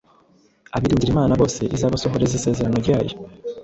Abiringira Imana bose izabasohoreza isezerano ryayo.